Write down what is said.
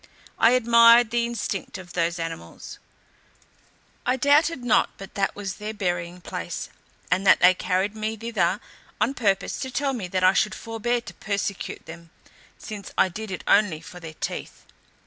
I admired the instinct of those animals; I doubted not but that was their burying place, and that they carried me thither on purpose to tell me that I should forbear to persecute them, since I did it only for their teeth.